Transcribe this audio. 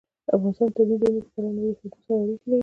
افغانستان د طبیعي زیرمې له پلوه له نورو هېوادونو سره اړیکې لري.